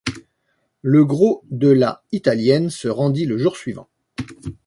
Le gros de la italienne se rendit le jour suivant.